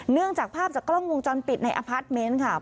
เนื่องจากภาพจากกล้องวงจรปิดในอพาร์ทเมนต์ค่ะ